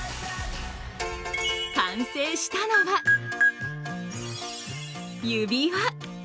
完成したのは、指輪。